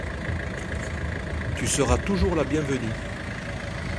Tu seras toujours la bienvenue.